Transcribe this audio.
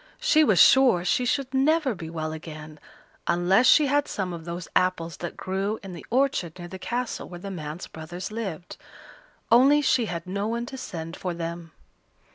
She was sure she should never be well again, unless she had some of those apples that grew in the orchard near the castle where the man's brothers lived; only she had no one to send for them.